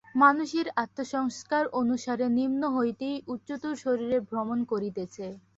মানুষের আত্মা সংস্কার অনুসারে নিম্ন হইতেই উচ্চতর শরীরে ভ্রমণ করিতেছে।